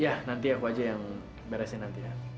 ya nanti aku aja yang beresin nanti ya